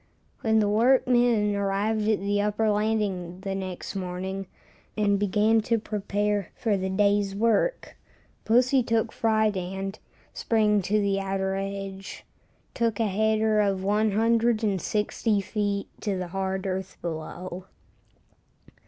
When the workmen arrived at the upper landing the next morning, and began to prepare for the day's work, pussy took fright and, springing to the outer edge, took a "header" of 160 feet to the hard earth below.